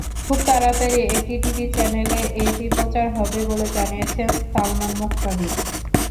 খুব তাড়াতাড়ি একটি টিভি চ্যানেলে এটি প্রচার হবে বলে জানিয়েছেন সালমান মুক্তাদির।